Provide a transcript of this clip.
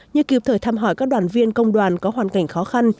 như kịp thời thăm hỏi các đoàn viên công đoàn có hoàn cảnh khó khăn